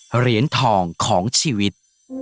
เหรียญทองของชีวิต